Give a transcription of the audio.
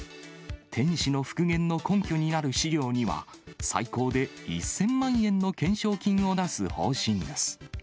天守の復元の根拠になる資料には、最高で１０００万円の懸賞金を出す方針です。